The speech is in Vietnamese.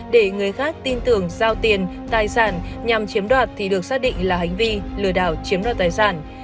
để người khác tin tưởng giao tiền tài sản nhằm chiếm đoạt thì được xác định là hành vi lừa đảo chiếm đoạt tài sản